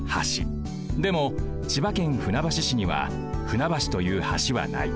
でも千葉県船橋市には船橋という橋はない。